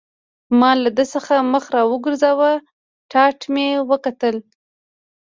ما له ده څخه مخ را وګرځاوه، ټاټ مې وکتل.